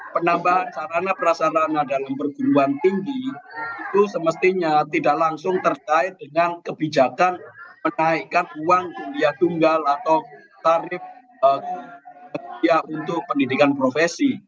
penambahan sarana prasarana dalam perguruan tinggi itu semestinya tidak langsung terkait dengan kebijakan menaikkan uang kuliah tunggal atau tarif untuk pendidikan profesi